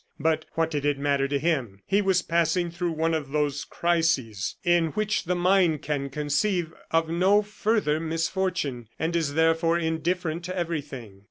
But, what did it matter to him? He was passing through one of those crises in which the mind can conceive of no further misfortune, and is therefore indifferent to everything.